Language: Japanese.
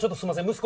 息子。